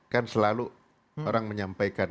kan selalu orang menyampaikan